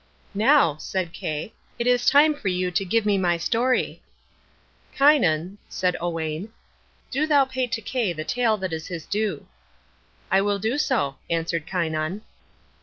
"Now," said Kay, "it is time for you to give me my story." "Kynon," said Owain, "do thou pay to Kay the tale that is his due." "I will do so," answered Kynon.